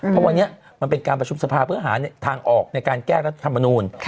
เพราะวันนี้มันเป็นการประชุมสภาเพื่อหาทางออกในการแก้รัฐธรรมนูล